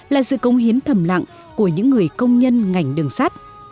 là sự công hiến thầm lặng của những người công nhân ngành đường sắt